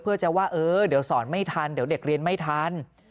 เพื่อจะว่าเออเดี๋ยวสอนไม่ทันเดี๋ยวเด็กเรียนไม่ทัน